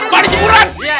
maling jemuran pade